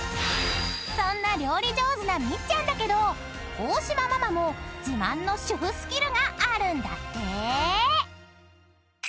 ［そんな料理上手なみっちゃんだけど大島ママも自慢の主婦スキルがあるんだって］